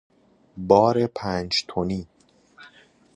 بار پنج تنی